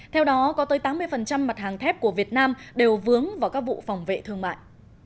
theo đó có tới tám mươi mặt hàng thép của việt nam đều vướng vào các vụ phòng vệ thương mại